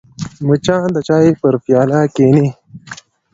مچان د چای پر پیاله کښېني